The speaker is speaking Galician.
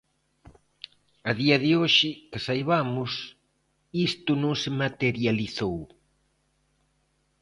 A día de hoxe, que saibamos, isto non se materializou.